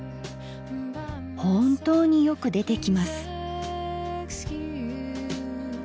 本当によく出てきます。